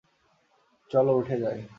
চলো উঠে যাই।